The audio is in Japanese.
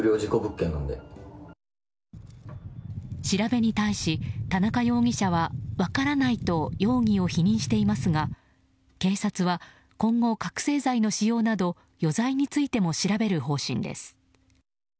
調べに対し田中容疑者は分からないと容疑を否認していますが警察は今後、覚醒剤の使用など余罪についても調べる方針です。